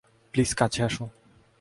Please, কাছে আসো।